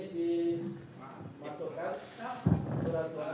ini dimasukkan ke dalam buruk brail ini